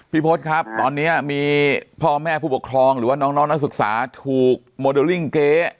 พศครับตอนนี้มีพ่อแม่ผู้ปกครองหรือว่าน้องนักศึกษาถูกโมเดลลิ่งเก๊